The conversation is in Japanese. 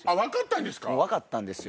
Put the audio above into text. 分かったんですよ